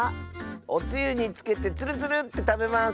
おつゆにつけてツルツルッてたべます。